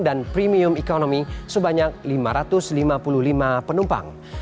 dan premium economy sebanyak lima ratus lima puluh lima penumpang